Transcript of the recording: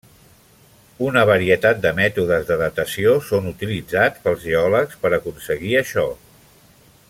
Una varietat de mètodes de datació són utilitzats pels geòlegs per aconseguir això.